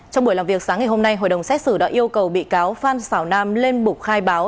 trong buổi làm việc sáng ngày hôm nay hội đồng xét xử đã yêu cầu bị cáo phan xào nam lên bục khai báo